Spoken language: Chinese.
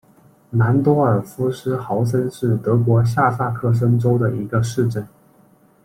兰多尔夫斯豪森是德国下萨克森州的一个市镇。